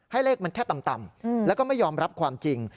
เลขมันแค่ต่ำแล้วก็ไม่ยอมรับความจริง